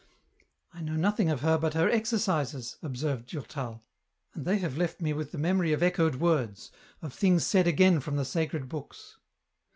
" I know nothing of her but her * Exercises,' " observed Durtal, " and they have left with me the memory of echoed words, of things said again from the sacred books.